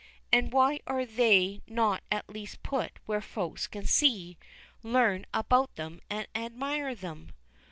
And why are they not at least put where Folks can see, learn about them, and admire them?